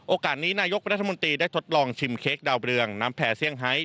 โอกาสนี้นายกประธรมนตรีได้ทดลองชิมเค้กดาวเรืองน้ำแผ่เสี่ยงไฮ